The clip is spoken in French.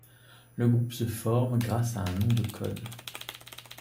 Le groupe se forme grâce un nom de code.